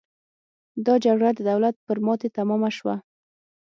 دا جګړه د دولت پر ماتې تمامه شوه.